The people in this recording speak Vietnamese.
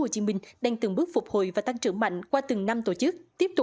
cùng với thành phố